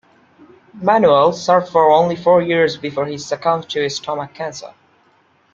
Manuel served for only four years before he succumbed to stomach cancer.